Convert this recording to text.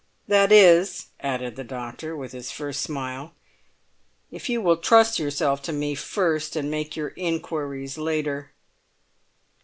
That is," added the doctor, with his first smile, "if you will trust yourself to me first and make your inquiries later."